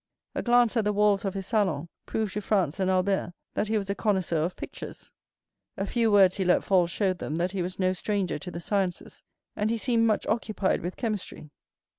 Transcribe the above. A glance at the walls of his salon proved to Franz and Albert that he was a connoisseur of pictures. A few words he let fall showed them that he was no stranger to the sciences, and he seemed much occupied with chemistry.